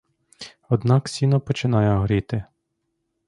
Однак сіно починає горіти.